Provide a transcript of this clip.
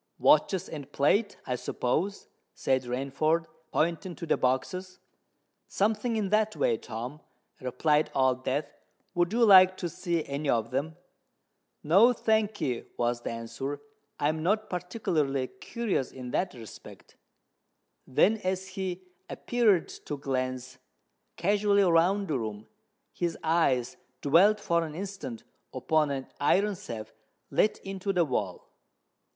"Watches and plate, I suppose?" said Rainford, pointing to the boxes. "Something in that way, Tom," replied Old Death. "Would you like to see any of them?" "No, thank'ee," was the answer. "I am not particularly curious in that respect." Then, as he appeared to glance casually round the room, his eyes dwelt for an instant upon an iron safe let into the wall.